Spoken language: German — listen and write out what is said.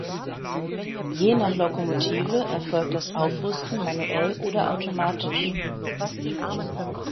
Je nach Lokomotive erfolgt das Aufrüsten manuell oder automatisch.